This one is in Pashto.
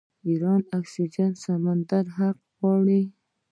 ایران د کسپین سمندر حق غواړي.